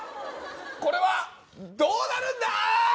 これはどうなるんだ？